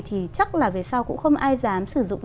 thì chắc là về sau cũng không ai dám sử dụng